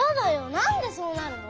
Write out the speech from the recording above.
なんでそうなるの？